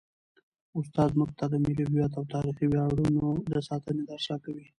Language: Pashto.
استاد موږ ته د ملي هویت او تاریخي ویاړونو د ساتنې درس راکوي.